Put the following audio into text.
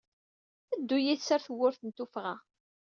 Ddu yid-s ar tawwurt n tuffɣa.